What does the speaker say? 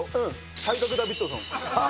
体格ダビッドソン。